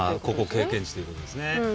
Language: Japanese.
経験値ということですね。